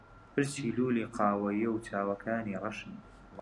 پرچی لوولی قاوەیییە و چاوەکانی ڕەشن.